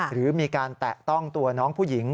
หรือมีการแตะต้องตัวน้องผู้หญิง